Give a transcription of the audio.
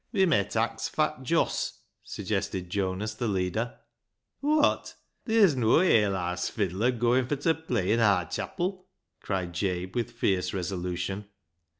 "We met ax fat Joss," suggested Jonas the leader. " Wot ! Theer's noa ale haase fiddler goin' fur t' play i' aar chapil," cried Jabe, with fierce resolution.